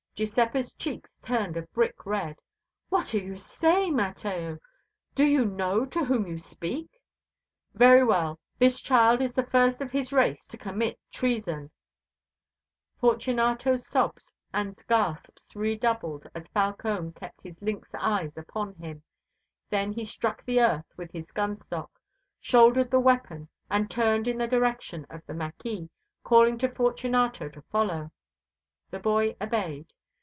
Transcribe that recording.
Giuseppa's cheeks turned a brick red. "What are you saying, Mateo? Do you know to whom you speak?" "Very well, this child is the first of his race to commit treason." Fortunato's sobs and gasps redoubled as Falcone kept his lynx eyes upon him. Then he struck the earth with his gun stock, shouldered the weapon, and turned in the direction of the mâquis, calling to Fortunato to follow. The boy obeyed.